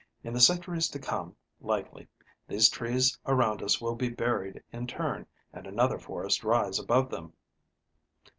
In the centuries to come, likely, these trees around us will be buried in turn, and another forest rise above them."